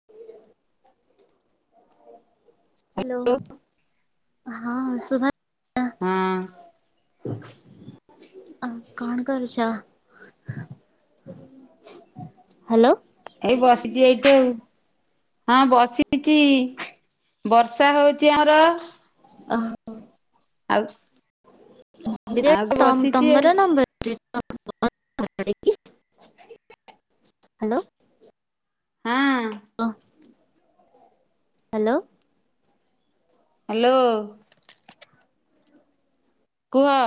[unintelligible] Hello ହଁ ସୁଭା ହଁ! ଆ କଣ କରୁଚ? ହାଲୋ ଏଇ ବସିଚି ଏଇଠି ଆଉ। ହଁ ବସିଚି, ବର୍ଷା ହଉଚି ଆମର। ଅହ ଆଉ ଆଉ ତମ୍ ବସିଛି ଆଉ ତମର ମୃତ୍ୟୁ ପତ ପତ ପକଡେ଼କି ହାଲୋ! ହାଁ! ଅଁ ହାଲୋ ହାଲୋ! କୁଅ!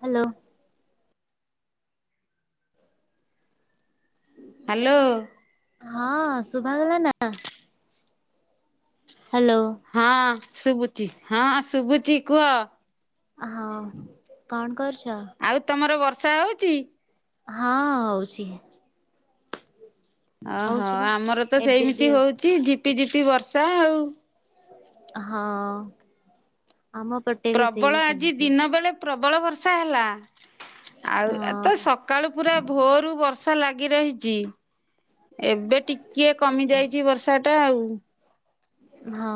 Hello hello! ହଁ ଶୁଭାଗଲା ନାଁ! ହାଲୋ! ହଁ ଶୁବୁଚି ହଁ ଶୁବୁଚି କୁଅ! ହ କଣ କରୁଚ! ଆଉ ତମର ବର୍ଷା ଆଉଚି! ହଁ ହଉଚି। ଅହ ହଉଛି ବା ଆମରତ ଏବେ ବି ସେମିତି ହଉଚି ଝିପି ଝିପି ବର୍ଷା ଆଉ। ହଅ ଆମ ପେଟ ପ୍ରବଳ ଆଜି ଦିନ ବେଳେ ପ୍ରବଳ ବର୍ଷା ହେଲା! ଆଉ ଏ ହଁ ତସ ସକାଳୁ ପୁରା ଭୋରୁ ବର୍ଷା ଲାଗି ରହିଚି। ଏବେ ଟିକେ କମି ଯାଇଚି ବର୍ଷା ଟା ଆଉ। ହଁ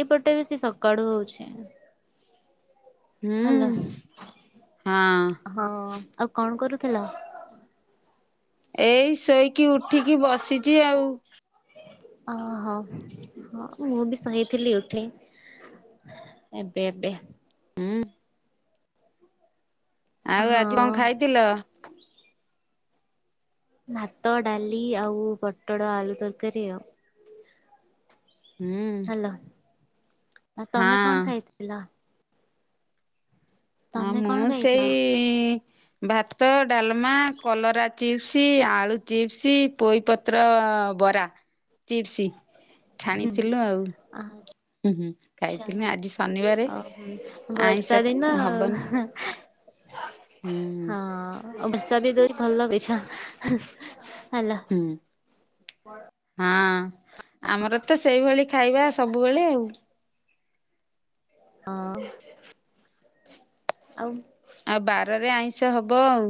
ଏଇପଟେ ବେଶୀ ସକାଳୁ ହଉଚି। ହାଲୋ ହୁଁ ହଁ ହଁ ଆଉ କଣ କରୁଥିଲ! ଏଇ ଶୋଇକି ଉଠିକି ବସିଚି ଆଉ। ଓହୋ ହଁ ମୁଁ ବି ସହିଥିଲି ଉଠେ ଏବେ ଏବେ। ଉଁ। ଆଉ ହଁ ଆଜି କଣ ଖାଇଥିଲ? ଭାତ ଡାଲି ଆଉ ପୋଟଳ ଆଳୁ ତରକାରୀ ଆଉ। ହୁଁ। ହ୍ୟାଲୋ ଆଉ ହଁ ତମେ କଣ ଖାଇଥିଲ? ହଁ ତମେ କଣ ମୁଁ ଖାଇଥିଲ ସେଇ ଭାତ ଡାଲମା କଲରା ଚିପ୍ସି ଆଳୁ ଚିପ୍ସ ପୋଇପତ୍ର ବରା ଚିପ୍ସ। ହୁଁ ଉଁ ଛାଣିଥିଲୁ ଆଉ ହୁଁ ହୁଁ ଖାଉଚୁ। ଖାଇଥିଲୁ ଆଜି ଶନିବାରେ। ଆଚ୍ଛା ଆଉ ଆଇଁଷ ବର୍ଷା ଦିନ ହବନି ଆଉ। ହୁଁ ହଁ [unintelligible] ଭଲ ଲଗେଇଛ ହେଲା। ହୁଁ କଣ? ହଁ ଆମର ତ ସେଇଭଳି ଖାଇବା ସବୁବେଳେ ଆଉ। ହଁ ଆଉ। ଆଉ ବାରରେ ଆଇଁଷ ହବ ଆଉ।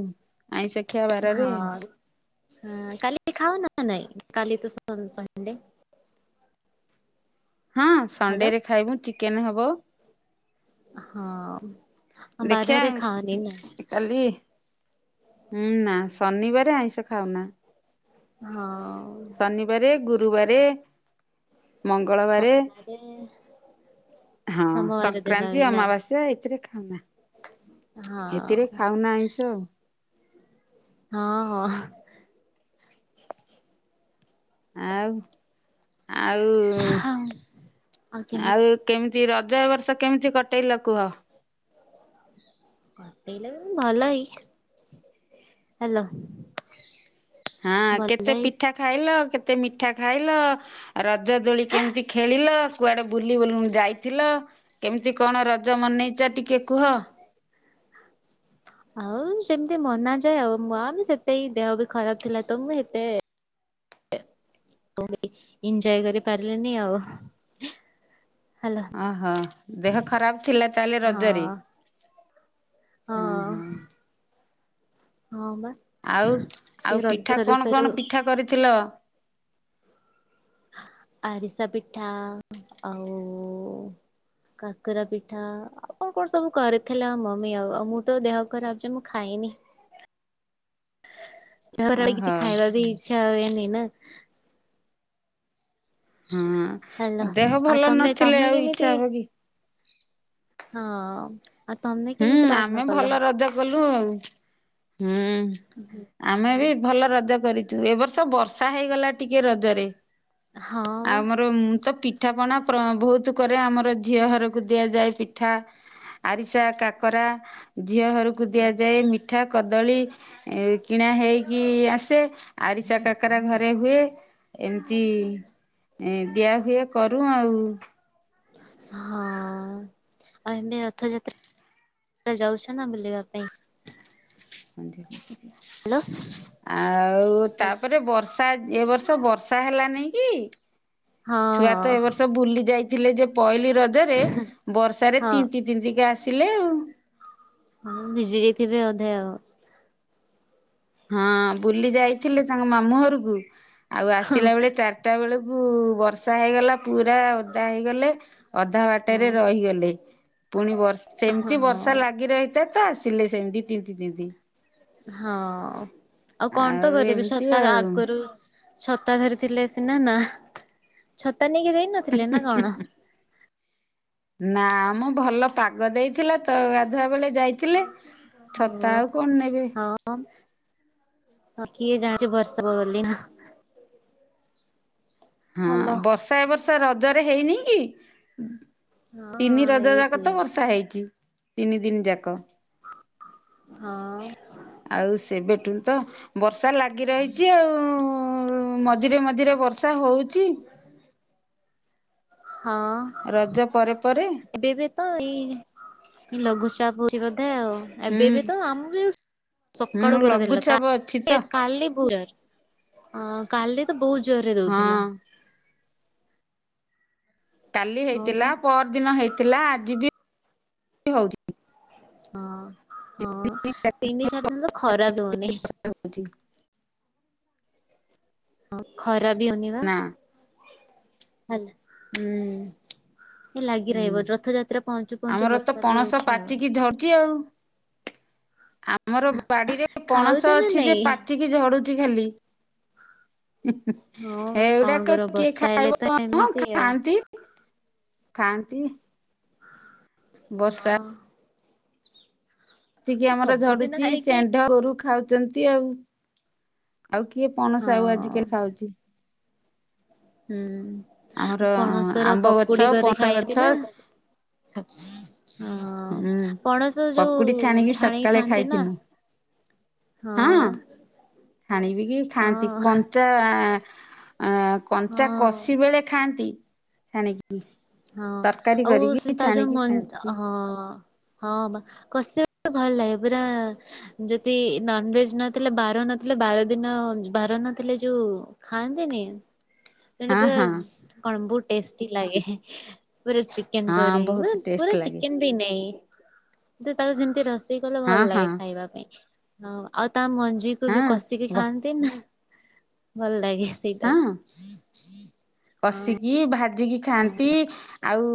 ଆଇଁଷ ଖିଆ ବା ହଁ କାଲି ଖାଉ ନା ନାହିଁ? କାଲି ତ ସଣ୍ଡେ। ହଁ ହ୍ୟାଲୋ ସଣ୍ଡେରେ ଖାଇବୁ ଚିକେନ୍ ହବ। ହଁ ବାରରେ ଦେଖିବା ଖାଅନି ନା? କାଲି ହୁଁ ନା ଶନିବାରେ ଆଇଁଷ ଖାଉନା। ହଁଉଁ। ଶନିବାରେ ଗୁରୁବାରେ ମଙ୍ଗଳବାରେ। ସୋମବାରେ ହଁ ସୋମବାର ଦିନ ସଂକ୍ରାନ୍ତି ବି ନା ଅମାବାସ୍ୟା ଏଇଥିରେ ଖାଉନା। ଏଥିରେ ହଁ ଖାଉନା ଆଇଁଷ ଆଉ। ହଁ ହଁ। ଆଉ ଆଉ ଆଉ କେମିତି ରଜ ଏ ବର୍ଷ କେମିତି କଟେଇଲ କୁହ? ଏଇଲାଗୁ ଭଲ ହେଇଚି। ହାଲୋ। ହଁ କେତେ ପିଠା ଖାଇଲ? କେତେ ମିଠା ଖାଇଲ? ରଜ ଦୋଳି କେମିତି ଖେଳିଲ? କୁଆଡେ ବୁଲି ବୁନୁ ଯାଇଥିଲ? କେମିତି କଣ ରଜ ମନେଇଚ ଟିକିଏ କୁହ? ଆଉ ସେମିତି ମନା ଯାଏ। ମାମ୍ ସେଥିପାଇଁ ଦେହ ବି ଖରାପ ଥିଲା ତ ମୁଁ ସେତେ କୋଭିଡି ଏଞଜୟ କରିପାରିଲେନି ଆଉ। ହେଲା ଓହୋ ଦେହ ଖରାପ ଥିଲା ତାହେଲେ ହଁ ରଜରେ? ହଁ ହଁ। ହଁ ବା। ଆଉ ସେ ଆଉ ରଜ ପିଠା ସରୁ କଣ ସରୁ କଣ ପିଠା କରିଥିଲ? ଆରିସା ପିଠା ଆଉ କାକେରା ପିଠା ଆଉ କଣ କଣ ସବୁ କରିଥିଲା ମମି ଆଉ। ଆଉ ମୁଁ ତ ଦେହ ଖରାପ୍ ଯେ ମୁଁ ଖାଇନି। [inaudible] ଦେହ ହେଲାବେଳେ କିଛି ଖାଇବା ବି ଇଚ୍ଛା ହୁଏନି। ନା? ହାଲୋ ହଁ ଦେହ ଆଉ ଭଲ ତମେ ନଥିଲେ ତମେ ଆଉ କେମିତି ଇଚ୍ଛା ହବ କି। ହଁ ଆଉ ତମେ ହୁଁ କେମିତି ପାଳନ ଆମେ କଲ? ଭଲ ରଜ କଲୁ ଆଉ ହୁଁ ଆମେ ବି ଭଲ ରଜ କରି ଏ ବର୍ଷ ବର୍ଷା ହେଇଗଲା ଟିକେ ରଜରେ ହଁ ବା ଆଉମର ମୁଁ ତ ପିଠା ପଣା ବହୁତ କରେ ଆମର ଝିଅ ଘରକୁ ଦିଆଯାଏ ପିଠା। ମିସା କାକରା ଝିଅ ଘରକୁ ଦିଆଯାଏ ମିଠା କଦଳୀ କିଣା ହେଇକି ଆସେ ଆରିସା କାକରା ଘରେ ହୁଏ। ଏମିତି ଦିଆ ହୁଏ କରୁ ଆଉ। ହଁ। ଆଉ ଏବେ ରଥଯାତ୍ରା ଯାଉଛ ନା ବୁଲିବା ପାଇଁ। ଆ ହାଲୋ। ଆଉ ତାପରେ ବର୍ଷା ଏ ବର୍ଷ ବର୍ଷା ହେଲାନି କି? ଛୁଆ ତ ଏ ହଁ ବର୍ଷ ବୁଲି ଯାଇଥିଲେ ଯେ ପଇଲି ରଜରେ ବର୍ଷାରେ ହଁ ତିନି ତିନ୍ତିକି ଆସିଲେ ଆଉ। ହଁ ଭିଜି ଯାଇଥିବେ ଅଧେ ଆଉ। ହଁ ବୁଲି ଯାଇଥିଲେ ତାଙ୍କ ମାମୁଁ ଘରକୁ ଆଉ ଆସିଲା ବେଳେ ଚାରି ଚାଟା ବେଳକୁ ବର୍ଷା ହେଇଗଲା ପୁରା ଓଦା ହେଇଗଲେ। ଅଧା ବାଟ ରେ ହଁ ବା ରହିଗଲେ ପୁଣି ବର୍ଷ ସେମିତି ହଁ ବର୍ଷା ଲାଗି ରହିଥାଏ ତ ଆସିଲେ ସେମିତି ତିନ୍ତି ତିନ୍ତି। ହଁ ଆଉ କଣ ତ କରିବି ଏମିତି ଛତା ଆଉ। ଆଗରୁ ଛତା ଧରିଥିଲେ ସିନା ନା ଛତା ନେଇକି ଯାଇନଥିଲେ ନା କଣ? ନା ମୁଁ ଭଲ ପାଗ ଦେଇଥିଲା ତ ଗାଧୁଆ ବେଳେ ଯାଇଥିଲେ। ଛତା ଆଉ କଣ ନେବି। ହ କିଏ ଜାଣିଛି ବର୍ଷା ହବ ବୋଲି। ହଁ ହାଲୋ ବର୍ଷା ଏ ବର୍ଷା ରଜରେ ହେଇନି କି? ହଁ ହଁ ତିନି ରଜ ଯାକ ହେଇଛି ତ ବର୍ଷା ହେଇଛି ତିନି ଦିନି ଯାକ। ହଁ। ଆଉ ସେବେଠୁ ତ ବର୍ଷା ଲାଗି ରହିଛି ଆଉ ମଝିରେ ମଝିରେ ବର୍ଷା ହଉଛି। ହଁ। ରଜ ପରେ ପରେ ଏବେ ଏବେ ତ ଏଇ ଲଘୁଚାପ ହଉଛି ବୋଧେ ଆଉ। ହୁଁ ଏବେ ବି ତ ଆମ ବି ସକାଳୁ ହୁଁ ଘର ଦେଇଥିଲା ଲଘୁଚାପ ଅଛି ତ କାଲି ଅ କାଲି ତ ବହୁତ ଜୋରେ ହଁ ଦଉଥିଲା। କାଲି ହଁ ହେଇଥିଲା ବା ପହର ଦିନ ହେଇଥିଲା ଆଜି ବି ହଉଛି। ହଁ ହଁ ତିନି ଚରିଦେଲେ ତ ଖରା ହଉନି। ମଜି ହଁ ଖରା ବି ହଉନି ବା। ନା ହଲା ହୁଁ। ଲାଗି ହୁଁ ରହିବ ରଥଯାତ୍ରା ପହଞ୍ଚୁ ପହଁଞ୍ଚୁ ବର୍ଷା ବି ହଉଛି ଆଉ। ଝରୁଚି ଆଉ। ଆମର ବାଡ଼ିରେ ଖାଉଛ ପଣସ ନା ଅଛି ଯେ ନାଇଁ? ପାଚିକି ଝଡୁଛି ଖାଲି। ହଁ ବା କଣ ଏଗୁଡ଼ାକ କରିବ କିଏ ବର୍ଷା ହେଲେ ଖାଇବ ତ କଣ ଏମିତି ଆଉ ଖାଆନ୍ତି? ଖାଆନ୍ତି। ବର୍ଷା ହଁ। ପଚିକି ଆମର ସବୁଦିନ ଝଡୁଚି ଷେ ଖାଇକି [unintelligible] ଖାଉଛନ୍ତି ଆଉ ଆଉ କିଏ ପଣସ ଆଉ ହଁ ଆଜିକାଲି ଖାଉଛି। ହୁଁ। ଆମର ପଣସର ଆମ୍ବ ପକୁଡି ଗଛ, କରି ପଣସ ଖାଇନ୍ତି ଗଛ ନା ହଁ ହୁଁ ପଣସ ପକୁଡି ଯୋଉ ଛାଣିକି ସକାଳେ ଖାଆନ୍ତି ନା ଖାଇଥିନୁ। ହଁ ଛାଣିକି ବି ଖାଆନ୍ତି। ହଁ କ କଞ୍ଚା ହଁ କଷି ବେଳେ ଖାଆନ୍ତି। ଛାଣିକି। ହଁ ତରକାରୀ ଆଉ ସେ କରିକି ତା ଯୋଉ ଛାଣିକି ମ ଖାଆନ୍ତି ହଁ ହଁ ବା କଷି ବେଳେ ଭଲ ଲାଗେ। ପୁରା ଯଦି ନନଭେଜ ନଥିଲେ ବାର ନଥିଲେ ବାର ଦିନ ବାର ନଥିଲେ ଯୋଉ ଖାଆନ୍ତିନି। [inaudible] [unintelligible] କଣ ବହୁତ ଟେଷ୍ଟି ଲାଗେ। ପୁରା ଚି ଚିକେନ ପରି। ହଁ ବହୁତ ଟେଷ୍ଟ ପୁରା ଲାଗେ ଚିକେନ୍ ବି ନାଇଁ ତାକୁ ଯେମିତି ରୋଷେଇ କଲେ ହଁ ଭଲ ହଁ ଲାଗେ ଖାଇବା ପାଇଁ। ହଁ ଆଉ ତା ମଞ୍ଜି କୁ ବି କଷିକି ହଁ ଖାଆନ୍ତି ନା ଭଲ ଲାଗେ। ସେଇ [inaudible] ହଁ କି ଭାଜିକି ଖାଆନ୍ତି ଆଉ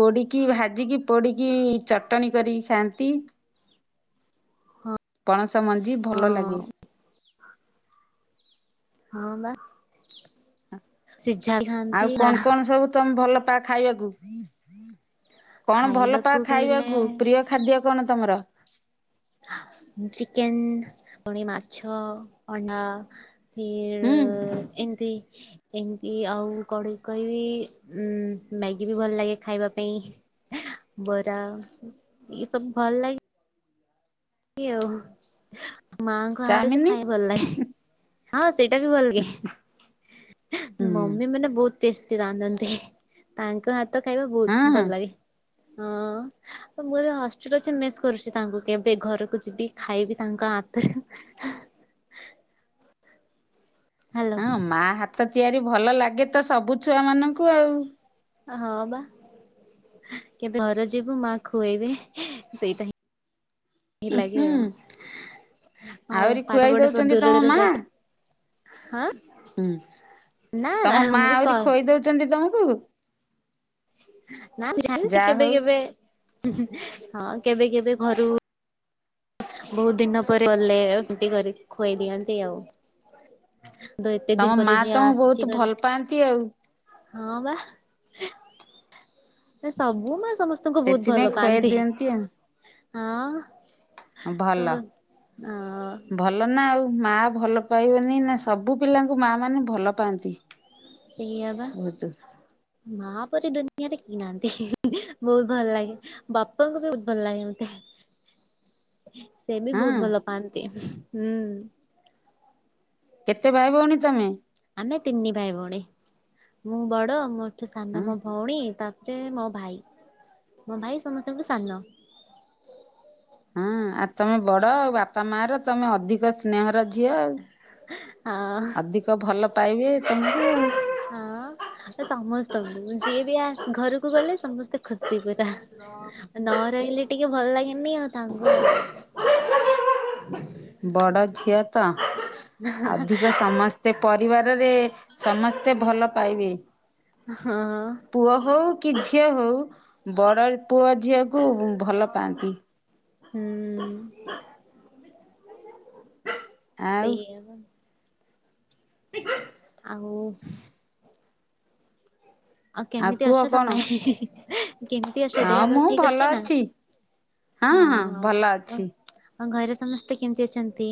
ପୋଡ଼ିକି ଭାଜିକି ପୋଡ଼ିକି ଚଟଣି କରିକି ଖାଆନ୍ତି। ହଁ। ପଣସ ମଞ୍ଜି ଭଲ ଲାଗେ। ହଁ ବା। ସିଝା ଖାଆ ଆଉ କଣ କଣ ସବୁ ତମେ ଭଲ ପାଅ ଖାଇବାକୁ? କଣ ଭଲ ଖାଇବାକୁ ପାଅ କହିଲେ ଖାଇବାକୁ ପ୍ରିୟ ଖାଦ୍ୟ କଣ ତମର? ଚିକେନ ପୁଣି ମାଛ ଅଣ୍ଡା [unintelligible] ହୁଁ ଏମିତି ଏମିତି ଆଉ କଢେଇ କହିବି ଉ ମ୍ୟାଗି ବି ଭଲ ଲାଗେ ଖାଇବା ପାଇଁ। ବରା ଏ ସବୁ ଭଲ ଲାଗେ ଆଉ। ମାଙ୍କ [unintelligible] ଚାଉମିନି ଖାଇ ଭଲ ଲାଗେ। ହଁ ସେଇଟା ବି ଭଲ ହୁଁ ଲାଗେ। ମମି ମାନେ ବହୁତ ଟେଷ୍ଟି ରାନ୍ଧନ୍ତି। ତାଙ୍କ ହାତ ଖାଇବା ହଁ ବହୁତ ହଁ। ଭଲ ଲାଗେ। ହଁ ମୁଁ ଏବେ ହଷ୍ଟେଲ ଅଛି ମିସ୍ କରୁଛି ତାଙ୍କୁ କେ ମିତି ଘରକୁ ଯିବି ଖାଇବି ତାଙ୍କ ହାତରୁ ହ୍ୟାଲୋ ହଁ ମା ହାତ ତିଆରି ଭଲ ଲାଗେ ତ ସବୁ ଛୁଆ ମାନଙ୍କୁ ଆଉ। ହଁ ବା କେବେ ଘର ଯିବୁ ମା ଖୁଆଇବେ ସେଇଟା ହିଁ [unintelligible] ଉଁ ଲାଗେ ହୁଁ ଆଉ। ହଁ ଆହୁରି ପାଠ ଖୁଆଇ ପଢ ଦଉଛନ୍ତି ଦୂର ତମ ମା? [unintelligible] ହାଁ? ହୁଁ ତମ ମା କ ଆହୁରି ଖୋଇ ଦଉଛନ୍ତି ତମକୁ? ନ [unintelligible] ସେ ଯାହା କେବେ ହଉ। କେବେ ହଁ କେବେ କେବେ ଘରୁ ବହୁତ ଦିନ ପରେ ଗଲେ ଏମତି କରିକି ଖୁଆଇ ଦିଅନ୍ତି ଆଉ। ତ ଏତେ ତମ ଦିନ ମା ପରେ ଝିଅ ତମକୁ ବହୁତ ଆସିଛି ଘର ଭଲ ପାଆନ୍ତି ଆଉ। ହଁ ବା। ସେ ସବୁ ମା ସମସ୍ତଙ୍କୁ ବହୁତ ସେଥିପାଇଁ ଭଲ ଖୁଆଇ ପାଆନ୍ତି। ଦିଅନ୍ତି ଆଉ ହଁ, ତ ଭଲ। ଅ ଭଲ ଭଲ ନା ଆଉ ମା ଭଲ ପାଇବନି ନା ସବୁ ପିଲାଙ୍କୁ ମା ମାନେ ଭଲ ପାଆନ୍ତି। ସେଇଆ ବା। ବହୁତ ମା ପରି ଦୁନିଆରେ କିନାନ୍ତି, ବହୁତ୍ ଭଲ ଲାଗେ। ବାପାଙ୍କୁ ବି ବହୁତ ଭଲ ଲାଗେ ମତେ। ସେ ବି ହଁ ବହୁତ ଭଲ ପାଆନ୍ତି, ହୁଁ। କେତେ ଭାଇ ଭଉଣି ତମେ? ଆମେ ତିନି ଭାଇ ଭଉଣୀ, ମୁଁ ବଡ, ମୋଠୁ ହଁ ସାନ ମୋ ଭଉଣୀ, ତାପରେ ମୋ ଭାଇ, ମୋ ଭାଇ ସମସ୍ତଙ୍କୁ ସାନ। ହଁ, ଆଉ ତମେ ବଡ ଆଉ, ବାପା ମା ର, ତମେ ଅଧିକ ସ୍ନେହର ଝିଅ ଆଉ। ହଁ ଅ ଅଧିକ ଭଲ ପାଇବେ ତୁମକୁ? ହଁ ଅ ସମସ୍ତଙ୍କୁ, ଯିଏ ବି ଆ ଘରକୁ ଗଲେ ସମସ୍ତେ ଖୁସି ପୁରା। ନ ରହିଲେ ଟିକେ ଭଲ ଲାଗେନି ଆଉ ତାଙ୍କୁ ଆଉ। ବଡ ଝିଅ ତ, ଅଧିକ ସମସ୍ତ ସେ ପରିବାରରେ ସମସ୍ତେ ଭଲ ପାଇବେ। ହଁ ଅ ପୁଅ ହଉ, କି ଝିଅ ହଉ, ବଡ଼ ପୁଅ ଝିଅକୁ ଭଲ ପାଆନ୍ତି। ହୁଁ, ଆଉ ସେଇଆ ପା। [unintelligible] ଆଉ ଆଉ କେମିତି କୁହ ଅଛ କଣ? ତମେ? ହେ ହେ ହି କେମିତି ଆସିଚ୍, ହଁ ଦେହପା ମୁଁ ଠିକ୍ ଭଲ ଅଛି ନା? ହଁ ହଁ ଭଲ ଅଛି। ଆଉ ଘରେ ସମସ୍ତେ କେମିତି ଅଛନ୍ତି?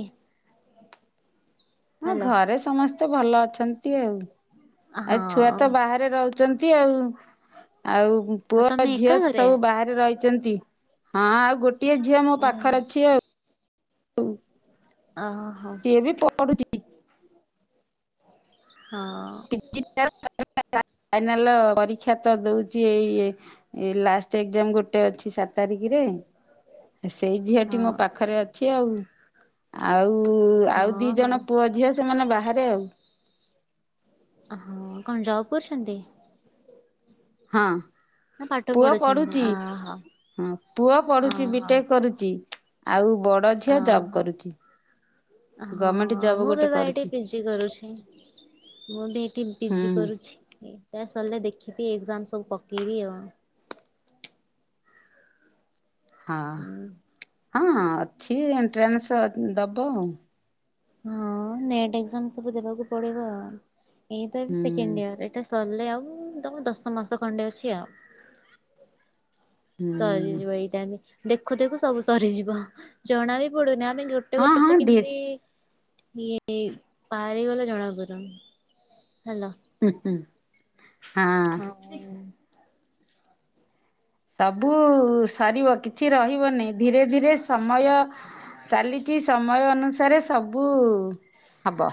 ହଁ ହାଲୋ ଘରେ ସମସ୍ତେ ଭଲ ଅଛନ୍ତି ଆଉ, ଆଉ ହଁ ଛୁଆ ତ ବାହାରେ ରହୁ ଚନ୍ତି ଆଉ, ଆଉ ଆଉ ପୁଅ ତମେ ଝିଅ ଏକା ଘରେ? ସବୁ ବାହରେ ରହିଚନ୍ତି, ହଁ ଆଉ ଗୋଟିଏ ଝିଅ ମୋ ଓ ପାଖରେ ଅଛି ଆଉ। ଓ ହୋ। ଏବେ ପଢୁଚି। ହଁ। [unintelligible] ଫାଇନାଲ୍ ପରୀକ୍ଷା ତ ଦଉଚି ଏଇ ଏ ଲାଷ୍ଟ୍ ଏକ୍ଜାମ୍ ଗୋଟେ ଅଛି, ସାତ୍ ତାରିଖରେ। ସେଇ ହଁ ଝିଅଟି ମୋ ପାଖରେ ଅଛି ଆଉ। ଆଉ, ଆଉ ଦି ହଁ ହଁ। ଜଣ ପୁଅ ଝିଅ ସେମାନେ ବାହାରେ ଆଉ। ଓ ହଁ, କଣ ଜବ କରୁଚନ୍ତି? ହଁ। ହଁ ପାଠ ପୁଅ ପଢୁଛନ୍ତି ପଢୁଚି, ଅହୋ ହଁ, ପୁଅ ପଢୁଚି, ଅହୋ ବିଟେକ୍ କରୁଚି। ଆଉ ବଡ ଝିଅ ଜବ୍ ଅହୋ। କରୁଚି। ହଁ, ମୁଁ ବି ଭାଇ ଏଠି କରୁଛି ପିଜି କରୁଛି। ମୁଁ ବି ଏଇଠି ହୁଁ ପିଜି ହୁଁ। କରୁଛି, ଏଟା ସରିଲେ ଦେଖିବି ଏକ୍ଜାମ୍ ସବୁ ପକେଇବି ଆଉ। ହଁ, ହଁ ଅଛି, ଏଣ୍ଟ୍ରାନ୍ସ୍ ଦବ ଉ। ହଁ ନେଟ୍ ଏକ୍ଜାମ୍ ସବୁ ଦେବାକୁ ପଡିବ ଆଉ, ଏଇ ତ ଏ ହୁଁ। ସେକେଣ୍ଡ ଇୟର୍ ଏଟା ସରିଲେ ଆଉ, ଦମା ଦଶ ମାସେ ଖଣ୍ଡେ ଅଛି ଆଉ। ହୁଁ ସରିଯିବ ଏଇଟାଇମ୍, ଦେଖୁ ଦେଖୁ ସବୁ ସରିଯିବ, ଜଣା ବି ପଡୁନି ଆମେ ଗୋ ଗୋଟେ ହଁ ହଁ ବର୍ଷ ଦେ କେମିତି ଇଏ ବାହାରିଗଲେ ଜଣାପଡିବ, ହାଲୋ ହୁଁ ହୁଁ। ହଁ ଉଁ। ସବୁ ସରିବ କିଛି ରହିବନି ଧୀରେ ଧୀରେ ସମୟ। କାଲି କି ସମୟ ଅନୁସାରେ ସବୁ ହବ।